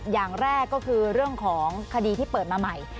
อย่างแรกก็คือเรื่องของคดีที่เปิดมาใหม่